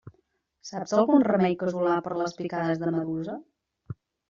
Saps algun remei casolà per a les picades de medusa?